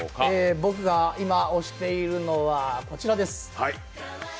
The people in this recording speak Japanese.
僕が今、推しているのはこちらです。